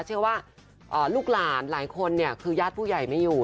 เชื่อว่าลูกหลานหลายคนเนี่ยคือญาติผู้ใหญ่ไม่อยู่